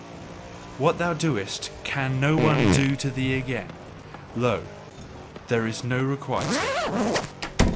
What thou doest can no one do to thee again. Lo, there is no requital.